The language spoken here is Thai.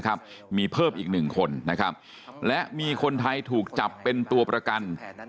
มีเพิ่มอีกหนึ่งคนนะครับและมีคนไทยถูกจับเป็นตัวประกัน